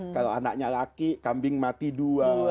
kalau anaknya laki kambing mati dua